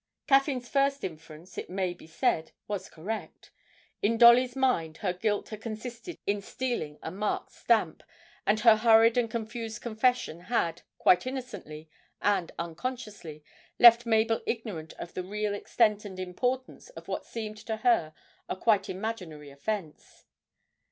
Caffyn's first inference, it may be said, was correct; in Dolly's mind her guilt had consisted in stealing a marked stamp, and her hurried and confused confession had, quite innocently and unconsciously, left Mabel ignorant of the real extent and importance of what seemed to her a quite imaginary offence.